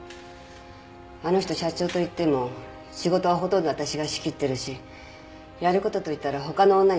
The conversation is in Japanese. あの人社長といっても仕事はほとんどわたしが仕切ってるしやることといったらほかの女に手を出して。